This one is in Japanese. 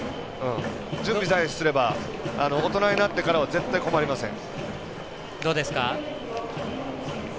準備さえすれば大人になってからは絶対困りません。